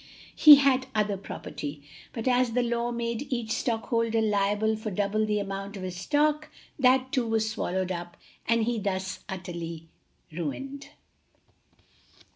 He had other property, but as the law made each stockholder liable for double the amount of his stock, that too was swallowed up and he thus utterly ruined.